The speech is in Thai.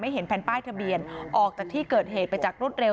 เห็นแผ่นป้ายทะเบียนออกจากที่เกิดเหตุไปจากรวดเร็ว